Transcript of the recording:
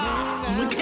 もう１回！